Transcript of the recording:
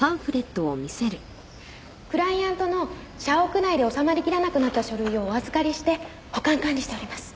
クライアントの社屋内で収まりきらなくなった書類をお預かりして保管管理しております。